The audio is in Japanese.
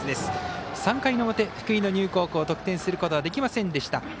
３回の表、福井の丹生高校得点することはできませんでした。